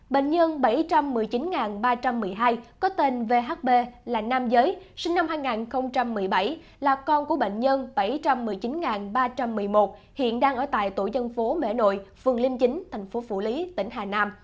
bệnh nhân bảy trăm một mươi chín ba trăm một mươi hai có tên vhb là nam giới sinh năm hai nghìn một mươi bảy là con của bệnh nhân bảy trăm một mươi chín ba trăm một mươi một hiện đang ở tại tổ dân phố mẹ nội phường liêm chính thành phố phủ lý tỉnh hà nam